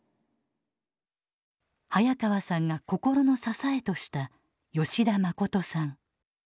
早川さんが心の支えとした吉田信さん。